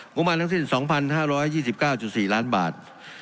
ประมาณทั้งสิ้น๒๕๒๙๔ล้านบาท